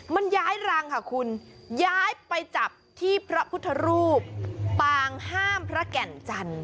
มันย้ายรังค่ะคุณย้ายไปจับที่พระพุทธรูปปางห้ามพระแก่นจันทร์